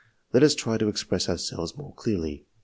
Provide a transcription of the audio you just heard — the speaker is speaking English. Let us try to express ourselves more clearly.